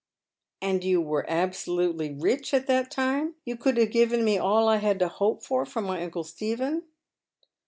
" And you were absolutely rich at that time ? You could have given me all I had to hope for from my uncle Stephen